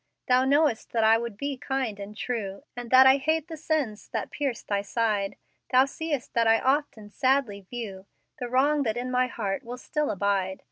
"Thou knowest that I would be kind and true, And that I hate the sins that pierced Thy side; Thou seest that I often sadly view The wrong that in my heart will still abide.